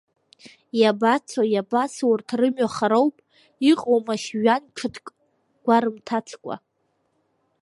Иабацо, иабацо, урҭ рымҩа хароуп, иҟоумашь жәҩан ҽыҭк гәарымҭацкәа…